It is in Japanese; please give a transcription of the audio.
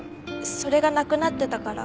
それがなくなってたから。